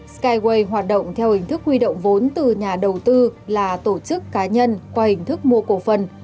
skywe hoạt động theo hình thức huy động vốn từ nhà đầu tư là tổ chức cá nhân qua hình thức mua cổ phần